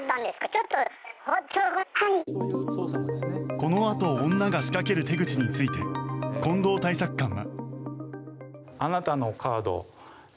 このあと女が仕掛ける手口について近藤対策官は。